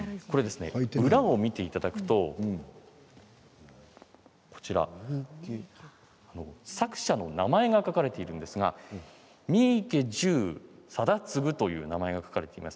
裏を見ていただくと、作者の名前が書かれているんですが三池住貞次という名前が書かれています。